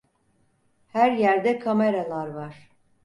Her yerde kameralar var.